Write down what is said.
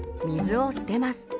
水を捨てます。